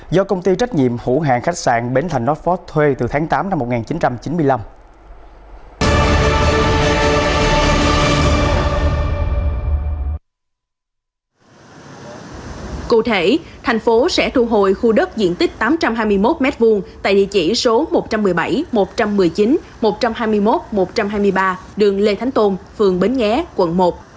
do công ty trách nhiệm hữu hàng khách sạn bến thành north fork thuê từ tháng tám năm một nghìn chín trăm chín mươi năm